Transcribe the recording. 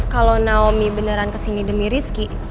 kalo naomi beneran kesini demi rizky